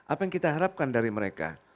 apa yang kita harapkan dari mereka